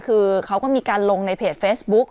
คือเขาก็มีการลงในเพจเฟซบุ๊ก